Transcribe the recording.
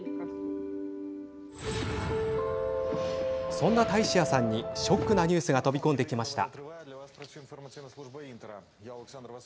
そんなタイシアさんにショックなニュースが飛び込んできました。